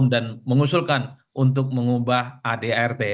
dan mengusulkan untuk mengubah adrt